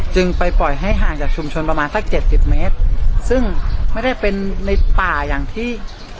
จึงไปปล่อยให้ห่างจากชุมชนประมาณสักเจ็ดสิบเมตรซึ่งไม่ได้เป็นในป่าอย่างที่